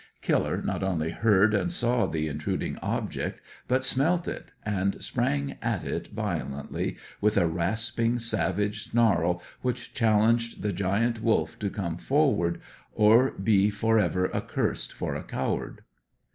Killer not only heard and saw the intruding object, but smelt it, and sprang at it violently, with a rasping, savage snarl which challenged the Giant Wolf to come forward or be for ever accursed for a coward.